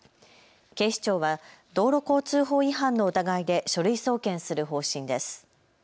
警視庁は道路交通法違反の疑いで書類送検する方針です。